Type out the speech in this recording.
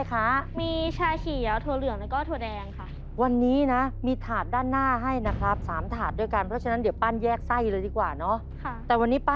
ขอเชิญอุปกรณ์สำหรับโจทย์ข้อนี้ครับ